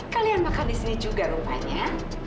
kalian makan di sini juga rupanya